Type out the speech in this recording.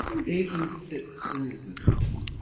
Anda ay tent-ssenzen?